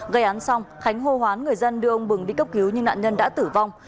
gây án xong khánh hô hoán người dân đưa ông bừng đi cấp cứu nhưng nạn nhân đã tử vong